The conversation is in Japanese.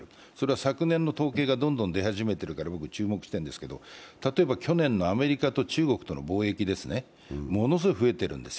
昨年の統計がどんどん出始めているから注目してるんですけれども例えば去年のアメリカと中国の貿易ですね、ものすごい増えているんですよ。